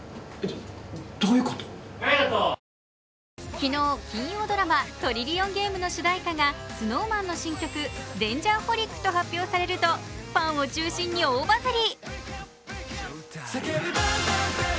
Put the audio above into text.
昨日、金曜ドラマ「トリリオンゲーム」の主題歌がＳｎｏｗＭａｎの新曲「Ｄａｎｇｅｒｈｏｌｉｃ」と発表されるとファンを中心に大バズり。